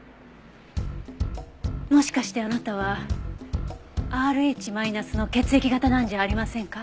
もしかしてあなたはＲｈマイナスの血液型なんじゃありませんか？